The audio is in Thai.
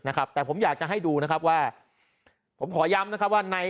นะครับแต่ผมอยากจะให้ดูนะครับว่าผมขอย้ำนะครับว่าใน